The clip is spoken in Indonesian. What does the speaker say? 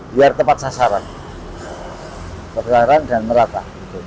biar tepat sasaran penularan dan merata